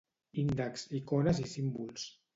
Índex, icones i símbols.